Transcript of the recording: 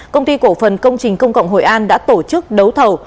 công ty cổ phần công trình công cộng hội an đã tổ chức đấu thầu